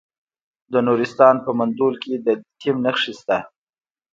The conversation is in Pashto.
د نورستان په مندول کې د لیتیم نښې شته.